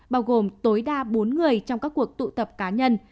bao gồm tối đa bốn người trong các cuộc tụ tập cá nhân